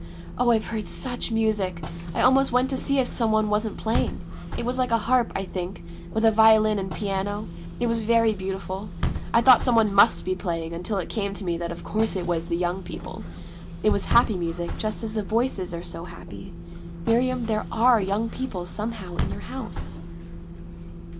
Oh, I've heard such music! I almost went to see if some one wasn't playing. It was like a harp, I think, with a violin and piano: it was very beautiful. I thought some one must be playing, until it came to me that of course it was the Young People. It was happy music, just as the Voices are so happy. Miriam, there are young people somehow in your house.'